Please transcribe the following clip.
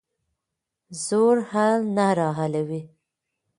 زور حل نه راولي.